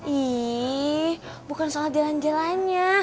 ih bukan soal jalan jalannya